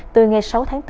từ ngày sáu tháng bốn